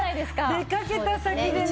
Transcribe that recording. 出かけた先でね。